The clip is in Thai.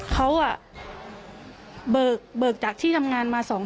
เขาเบิกจากที่ทำงานมา๒๐๐๐บาทค่ะ